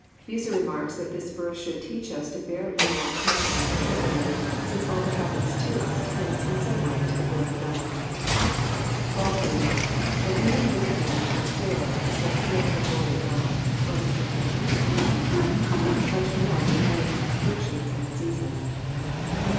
Bucer remarks that this verse should teach as to bear ills pa tiently and cheerfully, since all that happens to us tends, in some way, to the glory of God. Gualter remarks, that even wicked men like Pharaoh subserve the glory of God, (Bom. ix. 17 ;) much more may men's afflictions and diseases.